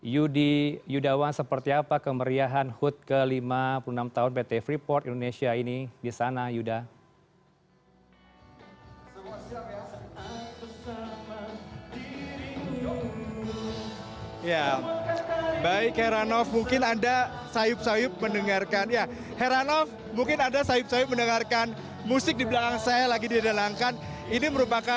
yudi yudawan seperti apa kemeriahan hut ke lima puluh enam tahun pt freeport indonesia ini